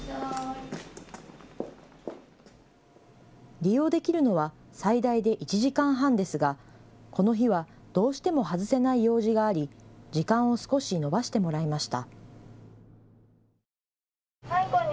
利用できるのは最大で１時間半ですが、この日はどうしても外せない用事があり、時間を少し延ばしてもらいました。